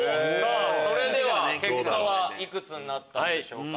それでは結果は幾つになったんでしょうか？